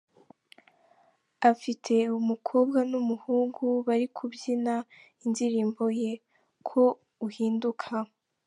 afite umukobwa n’umuhungu bari kubyina indirimbo ye "Ko Uhinduka".